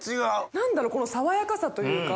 何だろこの爽やかさというか。